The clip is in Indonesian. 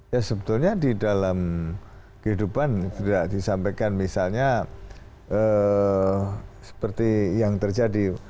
ya sebetulnya di dalam kehidupan tidak disampaikan misalnya seperti yang terjadi